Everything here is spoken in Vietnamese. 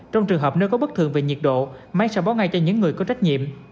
trong trường hợp nếu có bất thường về nhiệt độ máy sẽ báo ngay cho những người có trách nhiệm